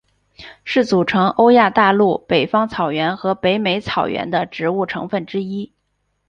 是组成欧亚大陆北方草原和北美草原的植物成分之一。